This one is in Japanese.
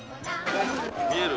見える？